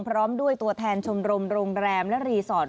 พร้อมด้วยตัวแทนชมรมโรงแรมและรีสอร์ท